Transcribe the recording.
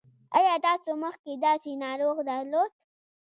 ایا تاسو مخکې داسې ناروغ درلود؟